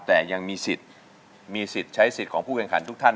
แต่ยังมีสิทธิ์มีสิทธิ์ใช้สิทธิ์ของผู้แข่งขันทุกท่าน